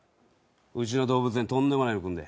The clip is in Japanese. うちの動物園とんでもないの来るで。